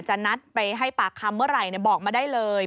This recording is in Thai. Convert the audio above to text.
นัดไปให้ปากคำเมื่อไหร่บอกมาได้เลย